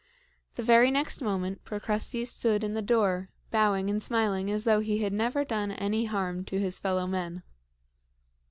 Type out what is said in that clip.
The very next moment Procrustes stood in the door, bowing and smiling as though he had never done any harm to his fellow men.